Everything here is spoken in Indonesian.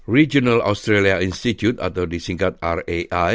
regional australia institute atau disingkat rai